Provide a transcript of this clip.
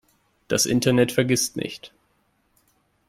Das Internet vergisst nicht.